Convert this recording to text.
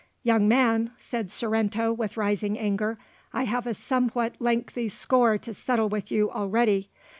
"Young man," said Sorrento with rising anger, "I have a somewhat lengthy score to settle with you already.